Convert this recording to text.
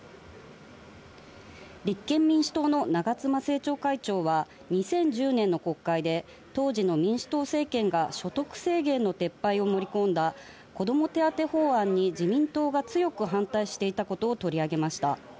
立憲民主党の長妻政調会長は２０１０年の国会で当時の民主党政権が所得制限の撤廃を盛り込んだ子ども手当法案に自民党が強く反対していたことを取り上げました。